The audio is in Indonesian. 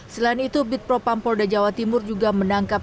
selain itu bit propam polda jawa timur juga menangkap